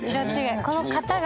この形が。